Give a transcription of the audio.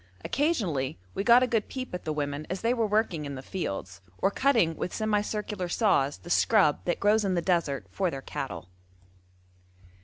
Occasionally we got a good peep at the women as they were working in the fields, or cutting with semi circular saws the scrub that grows in the desert for their cattle.